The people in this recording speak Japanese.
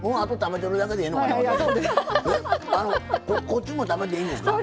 こっちも食べていいんですか？